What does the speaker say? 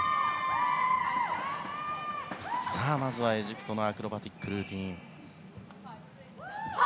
まずはエジプトのアクロバティックルーティン。